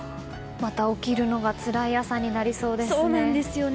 また起きるのがつらい朝になりそうですね。